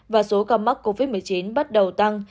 và số ca mắc covid một mươi chín bắt đầu tăng